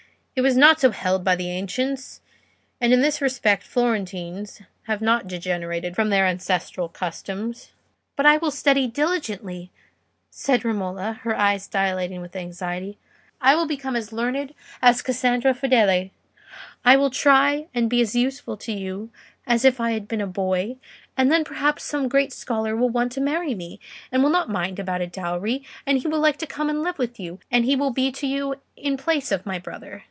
It was not so held by the ancients, and in this respect Florentines have not degenerated from their ancestral customs." "But I will study diligently," said Romola, her eyes dilating with anxiety. "I will become as learned as Cassandra Fedele: I will try and be as useful to you as if I had been a boy, and then perhaps some great scholar will want to marry me, and will not mind about a dowry; and he will like to come and live with you, and he will be to you in place of my brother...